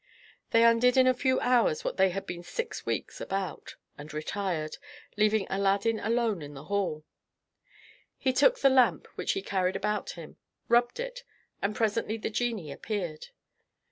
They undid in a few hours what they had been six weeks about, and retired, leaving Aladdin alone in the hall. He took the lamp, which he carried about him, rubbed it, and presently the genie appeared.